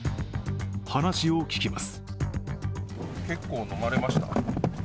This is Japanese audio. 話を聞きます。